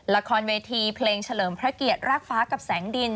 ละครเวทีเพลงเฉลิมพระเกียรติรากฟ้ากับแสงดิน